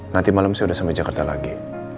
nanti malam saya sudah sampai jakarta lagi